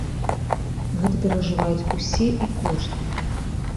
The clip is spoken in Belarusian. Гэта перажываюць усе і кожны.